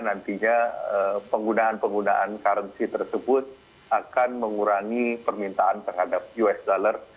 nantinya penggunaan penggunaan currency tersebut akan mengurangi permintaan terhadap us dollar